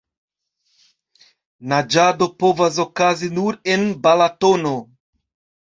Naĝado povas okazi nur en Balatono.